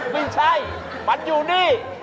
ไม่ใช่มันอยู่นี่